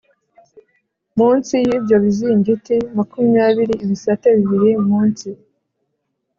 Munsi y ibyo bizingiti makumyabiri ibisate bibiri munsi